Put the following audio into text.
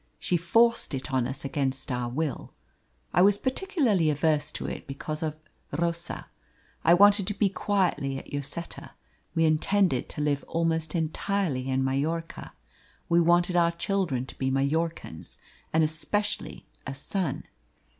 She forced it on us against our will. I was particularly averse to it because of Rosa. I wanted to be quietly at Lloseta. We intended to live almost entirely in Majorca. We wanted our children to be Majorcans, and especially a son.